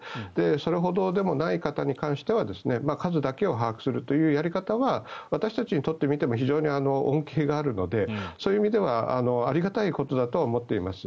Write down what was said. それほどでもない方に関しては数だけを把握するというやり方は私たちにとってみても非常に恩恵があるのでそういう意味ではありがたいことだとは思っています。